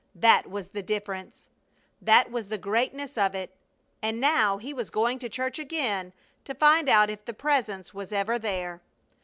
That was the difference. That was the greatness of it! And now he was going to church again to find out if the Presence was ever there!